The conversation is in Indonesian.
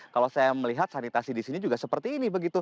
kalau saya melihat sanitasi di sini juga seperti ini begitu